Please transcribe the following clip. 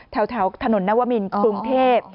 แถวถนนนวมินกรุงเทพ